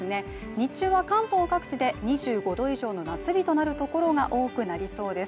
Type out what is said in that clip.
日中は関東各地で２５度以上の夏日となる所が多くなりそうです